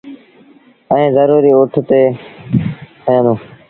ائيٚݩ زوريٚ اُٺ تي کيآݩدي۔